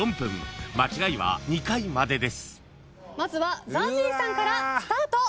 まずはＺＡＺＹさんからスタート。